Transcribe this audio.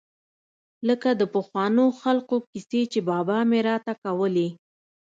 لکه د پخوانو خلقو کيسې چې بابا مې راته کولې.